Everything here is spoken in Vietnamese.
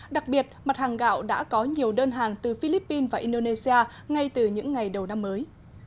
đặc biệt mặt hàng gạo đã có nhiều đơn hàng từ philippines và indonesia ngay từ những ngày đầu năm mới